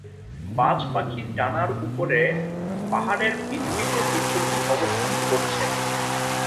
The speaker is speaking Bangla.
বাজ পাখির ডানার উপরে পাহাড়ের বিস্তৃত চিত্রটি অবস্থান করছে।